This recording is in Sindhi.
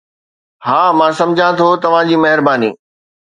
ها، مان سمجهان ٿو، توهان جي مهرباني